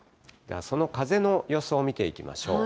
その風の予想を見ていきましょう。